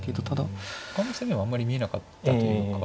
ほかの攻めはあんまり見えなかったというか。